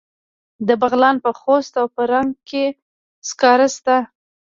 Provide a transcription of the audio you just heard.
د بغلان په خوست او فرنګ کې سکاره شته.